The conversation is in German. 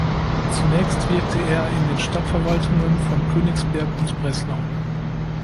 Zunächst wirkte er in den Stadtverwaltungen von Königsberg und Breslau.